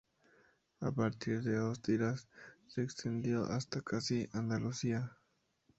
A partir de Asturias se extendió hasta casi Andalucía.